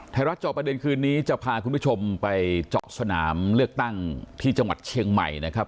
เจาะประเด็นคืนนี้จะพาคุณผู้ชมไปเจาะสนามเลือกตั้งที่จังหวัดเชียงใหม่นะครับ